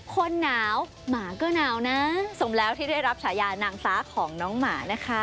คนหนาวหมาก็หนาวนะสมแล้วที่ได้รับฉายานางฟ้าของน้องหมานะคะ